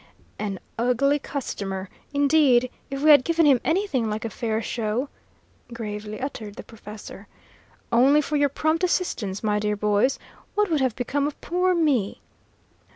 "An ugly customer, indeed, if we had given him anything like a fair show," gravely uttered the professor. "Only for your prompt assistance, my dear boys, what would have become of poor me?"